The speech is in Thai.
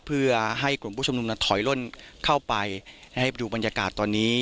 เพื่อให้กลุ่มผู้ชุมนุมนั้นถอยล่นเข้าไปให้ดูบรรยากาศตอนนี้